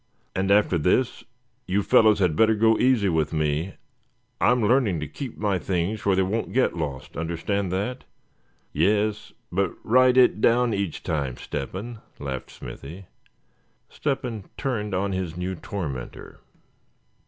"And after this, you fellows had better go easy with me. I'm learning to keep my things where they won't get lost, understand that?" "Yes, but write it down each time, Step hen," laughed Smithy. Step hen turned upon this new tormentor.